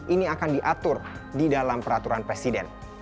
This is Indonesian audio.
ini akan diatur di dalam peraturan presiden